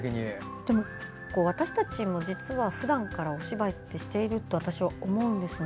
私たちも実はふだんからお芝居ってしていると私は思うんですね。